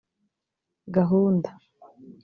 ‘Gahunda’